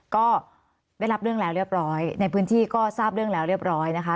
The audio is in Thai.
ก็ได้รับเรื่องแล้วเรียบร้อยในพื้นที่ก็ทราบเรื่องแล้วเรียบร้อยนะคะ